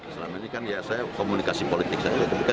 saya komunikasi politik